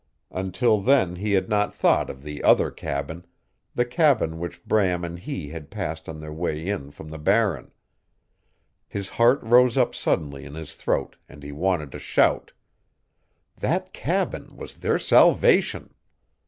Until then he had not thought of the other cabin the cabin which Bram and he had passed on their way in from the Barren. His heart rose up suddenly in his throat and he wanted to shout. That cabin was their salvation!